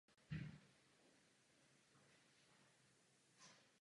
Okolní země nemohou současné množství uprchlíků zvládnout.